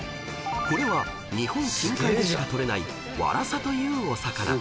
［これは日本近海でしか取れないわらさというお魚］